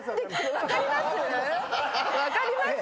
分かります